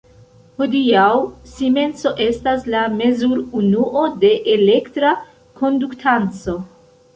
Hodiaŭ simenso estas la mezur-unuo de elektra konduktanco.